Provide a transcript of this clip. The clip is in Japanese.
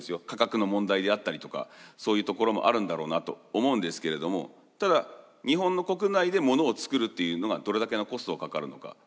価格の問題であったりとかそういうところもあるんだろうなと思うんですけれどもただ日本の国内でものを作るっていうのがどれだけのコストがかかるのか。